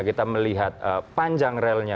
kita melihat panjang relnya